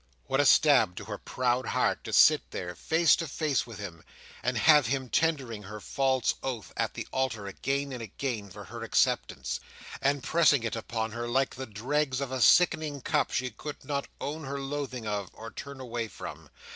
What a stab to her proud heart, to sit there, face to face with him, and have him tendering her false oath at the altar again and again for her acceptance, and pressing it upon her like the dregs of a sickening cup she could not own her loathing of, or turn away from!